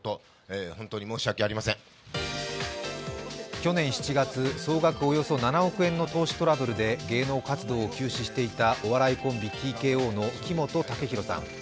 去年７月、総額およそ７億円の投資トラブルで芸能活動を休止していたお笑いコンビＴＫＯの木本武宏さん。